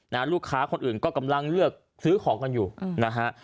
ลูกค้าคนอื่นก็กำลังเลือกซื้อของกันอยู่อืมนะฮะ